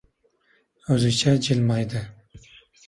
O‘zicha jilmaydi.